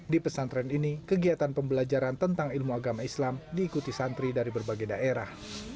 di pesantren ini kegiatan pembelajaran tentang ilmu agama islam diikuti santri dari berbagai daerah